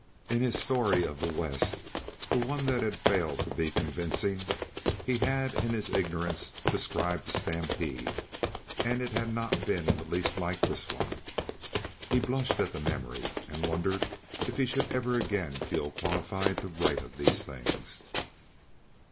In his story of the West the one that had failed to be convincing he had in his ignorance described a stampede, and it had not been in the least like this one. He blushed at the memory, and wondered if he should ever again feel qualified to write of these things.